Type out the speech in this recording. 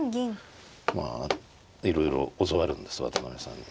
まあいろいろ教わるんです渡辺さんに。